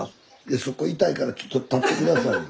そこ痛いからちょっと立って下さいよ。